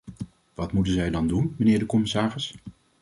Wat moeten zij dan doen, mijnheer de commissaris?